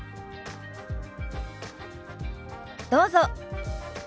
どうぞ。